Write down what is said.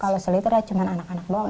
kalau satu liter ya cuma anak anak doang